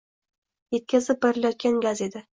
Yetkazib berilayotgan gaz edi